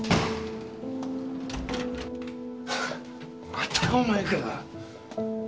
またお前か。